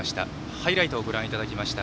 ハイライトをご覧いただきました。